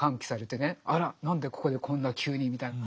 あら何でここでこんな急にみたいな。